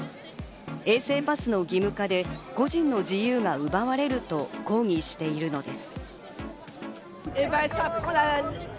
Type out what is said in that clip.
衛生パスの義務化で個人の自由が奪われると抗議しているのです。